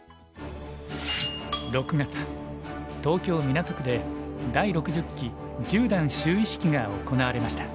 ６月東京・港区で第６０期十段就位式が行われました。